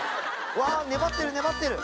わ粘ってる粘ってる！